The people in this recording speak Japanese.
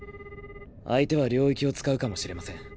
相手は領域を使うかもしれません。